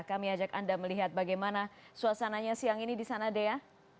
kami ajak anda melihat bagaimana suasananya siang ini di sana dea